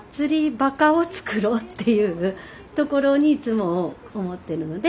バカをつくろうっていうところにいつも思ってるので。